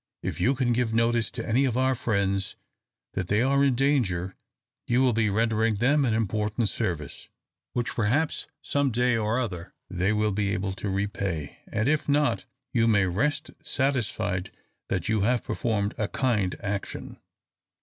If you can give notice to any of our friends that they are in danger, you will be rendering them an important service, which, perhaps, some day or other they will be able to repay; and if not, you may rest satisfied that you have performed a kind action."